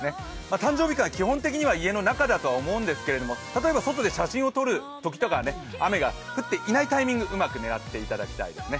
誕生日会、基本的には家の中だと思うんですけれども例えば外で写真を撮るときとか雨の降っていないタイミングをうまく狙っていただきたいですね。